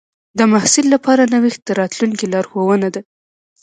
د محصل لپاره نوښت د راتلونکي لارښوونه ده.